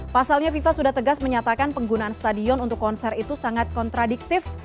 pasalnya fifa sudah tegas menyatakan penggunaan stadion untuk konser itu sangat kontradiktif